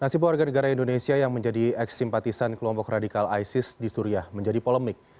nasib warga negara indonesia yang menjadi eks simpatisan kelompok radikal isis di suriah menjadi polemik